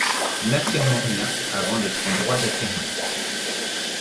N’affirmons rien avant d’être en droit d’affirmer.